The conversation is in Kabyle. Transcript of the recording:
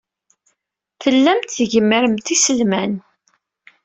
Tellamt tgemmremt iselman.